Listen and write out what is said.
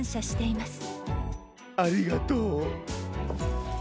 ありがとう。